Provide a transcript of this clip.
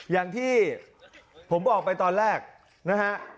อย่างที่ผมบอกไปตอนแรกนะฮะ